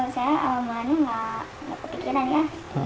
saya awal mulanya enggak kepikiran ya